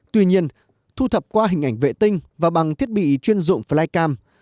tuy nhiên thu thập qua hình ảnh vệ tinh và bằng thiết bị chuyên dụng flycam